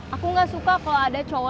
aku gak suka kalau ada cowok